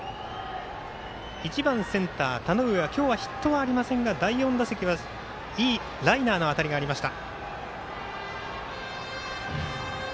１番センター田上は今日はヒットはありませんが第４打席はいいライナーの当たりがありました。